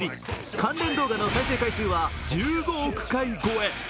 関連動画の再生回数は１５億回超え。